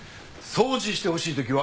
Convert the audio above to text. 掃除してほしい時は。